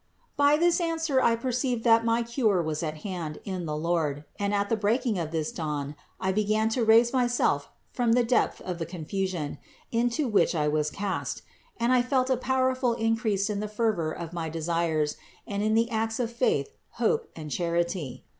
By this answer I perceived that my cure was at hand in the Lord, and at the breaking of this dawn I began to raise myself from the depth of the confusion, into which I was cast, and I felt a powerful increase in the fervor of my desires and in the acts of faith, hope and charity.